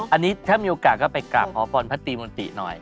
อันนี้ถ้ามีโอกาสก็ไปกราบขอพรพระตีมนติหน่อย